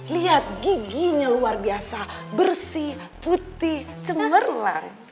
lihat giginya luar biasa bersih putih cemerlang